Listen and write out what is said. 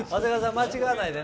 間違えないでね。